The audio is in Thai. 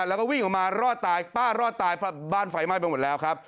แล้วก็วิ่งออกมารอดตายป้ารอดตายเพราะบ้านไฟไหม้ไปหมดแล้วครับ